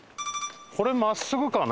これ真っすぐかね？